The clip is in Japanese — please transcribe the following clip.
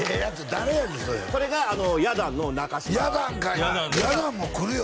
誰やねんそれそれがや団の中嶋や団かいなや団も来るよ